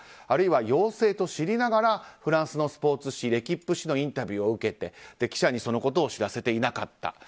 あるいは、陽性と知りながらフランツのスポーツ紙レキップ紙のインタビューを受けて記者にそのことを知らせていなかった。